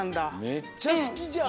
めっちゃすきじゃん。